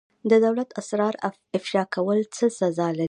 د دولت اسرار افشا کول څه سزا لري؟